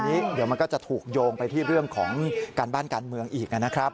เดี๋ยวมันก็จะถูกโยงไปที่เรื่องของการบ้านการเมืองอีกนะครับ